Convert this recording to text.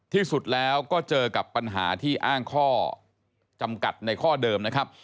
ที่สุดแล้วก็เจอกับปัญหาที่อ้างข้อจำกัดในข้อเดิมนะครับ